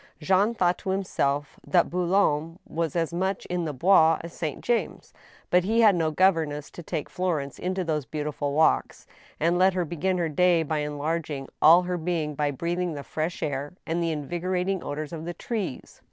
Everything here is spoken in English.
Jean thought to himself that Boulogne was as much in the Bois as Saint James ; but he had no governess to take Florence into those beautiful walks, and let her begin her day by enlarging all her being by breathing the fresh air and the invigorating odors of the trees.